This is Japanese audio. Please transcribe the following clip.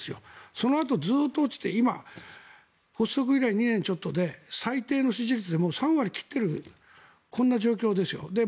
そのあとずっと落ちて今、発足以来２年ちょっとで最低の支持率で３割切ってる状況ですよ。